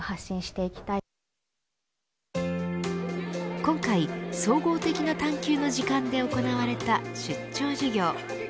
今回、総合的な探求の時間で行われた出張授業。